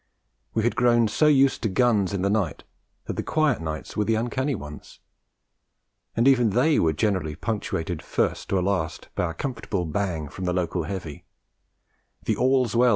We had grown so used to guns in the night that the quiet nights were the uncanny ones; and even they were generally punctuated first or last by a comfortable bang from the local heavy; the 'All's Well!'